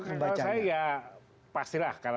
kalau saya ya pastilah